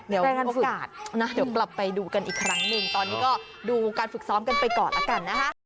เดี๋ยวกลับไปดูกันอีกครั้งหนึ่งตอนนี้ก็ดูการฝึกซ้อมกันไปก่อนแล้วกันนะคะ